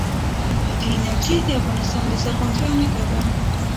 بادي انرژي د افغانستان د زرغونتیا نښه ده.